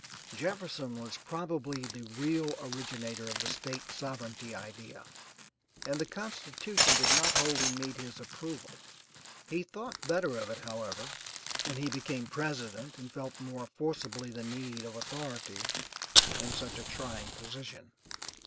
Jefferson was probably the real originator of the State sovereignity idea, and the constitution did not wholly meet his approval. He thought better of it, however, when he became President and felt more forcibly the need of authority in such a trying position.